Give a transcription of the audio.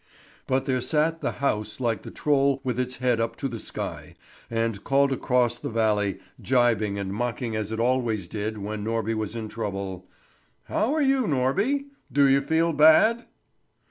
But there sat the house like the troll with its head up to the sky, and called across the valley, jibing and mocking as it always did when Norby was in trouble: "How are you, Norby? Do you feel bad?"